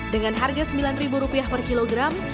dengan harga sembilan rupiah per kilogram